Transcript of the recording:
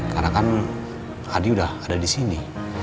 karena kan adi udah ada di sini